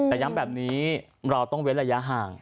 แต่ย้ำแบบนี้เราต้องเว้นระยะห่าง